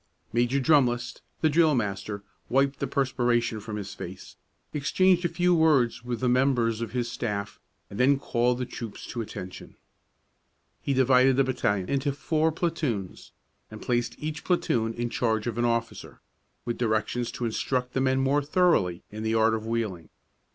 Major Drumlist, the drill master, wiped the perspiration from his face, exchanged a few words with the members of his staff, and then called the troops to attention. He divided the battalion into four platoons, and placed each platoon in charge of an officer, with directions to instruct the men more thoroughly in the art of wheeling.